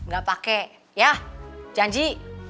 gak pake ya janji